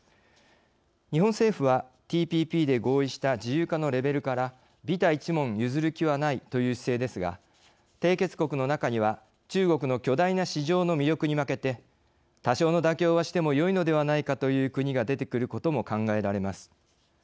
日本政府はＴＰＰで合意した自由化のレベルからびた一文ゆずる気はないという姿勢ですが締結国の中には中国の巨大な市場の魅力に負けて多少の妥協はしてもよいのではないかという国が出てくることも考えられます。